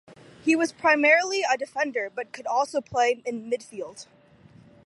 He was primarily a defender, but could also play in midfield.